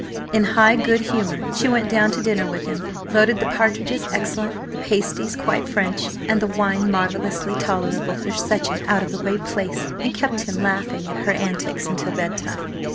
In high good humour she went down to dinner with him, voted the partridges excellent, the pasties quite French, and the wine marvellously tolerable for such an out of the way place, and kept him laughing at her antics until bed time.